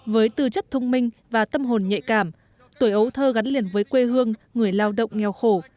với tư chất thông minh và tâm hồn nhạy cảm tuổi ấu thơ gắn liền với quê hương người lao động nghèo khổ